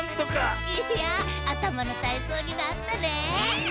いやあたまのたいそうになったね！